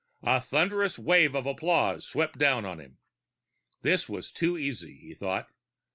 A thunderous wave of applause swept down on him. This is too easy, he thought.